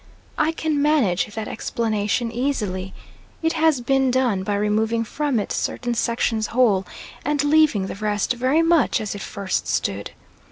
I can manage that explanation easily. It has been done by removing from it certain sections whole, and leaving the rest very much as it first stood.